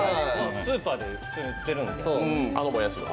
スーパーで普通に売ってるんで、あのもやしは。